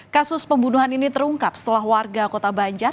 kasus pembunuhan ini terungkap setelah warga kota banjar